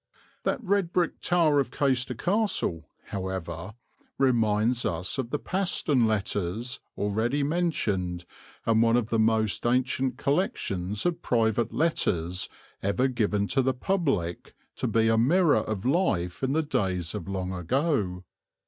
That red brick tower of Caister Castle, however, reminds us of the Paston Letters, already mentioned and one of the most ancient collections of private letters ever given to the public to be a mirror of life in the days of long ago.